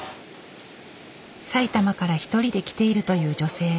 埼玉から一人で来ているという女性。